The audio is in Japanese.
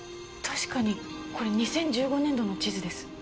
確かにこれ２０１５年度の地図です。